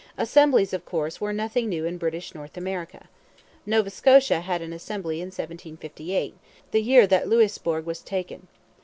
Assemblies, of course, were nothing new in British North America. Nova Scotia had an assembly in 1758, the year that Louisbourg was taken.